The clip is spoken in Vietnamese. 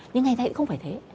nhưng ngày nay cũng không phải thế